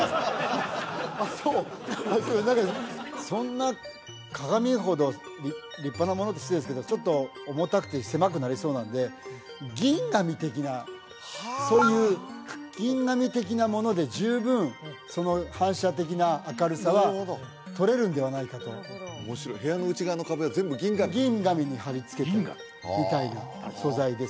そんな鏡ほど立派なものって失礼ですけどちょっと重たくて狭くなりそうなので銀紙的なそういう銀紙的なもので十分反射的な明るさは取れるんではないかと面白い部屋の内側の壁を全部銀紙に銀紙に貼り付けてあるみたいな素材です